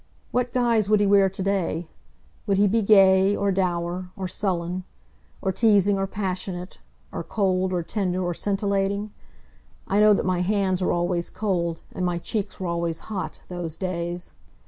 What guise would he wear to day? Would he be gay, or dour, or sullen, or teasing or passionate, or cold, or tender or scintillating? I know that my hands were always cold, and my cheeks were always hot, those days.